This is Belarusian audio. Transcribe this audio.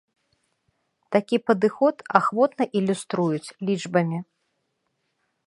Такі падыход ахвотна ілюструюць лічбамі.